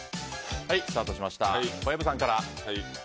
小籔さんから。